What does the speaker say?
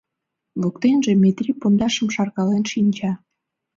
Воктенже Метри пондашым шаркален шинча.